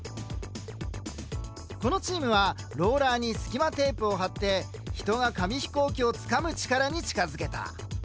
このチームはローラーに隙間テープを貼って人が紙飛行機をつかむ力に近づけた。